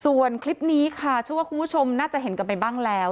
ส่วนคลิปนี้ค่ะเชื่อว่าคุณผู้ชมน่าจะเห็นกันไปบ้างแล้ว